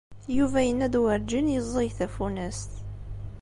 Yuba yenna-d werǧin yeẓẓig tafunast.